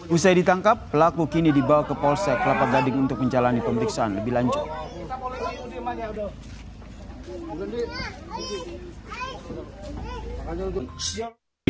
usai ditangkap pelaku kini dibawa ke polsek kelapa gading untuk menjalani pemeriksaan lebih lanjut